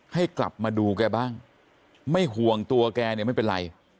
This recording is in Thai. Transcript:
ให้กลับมาดูแกบ้างไม่ห่วงตัวแกเนี่ยไม่เป็นไร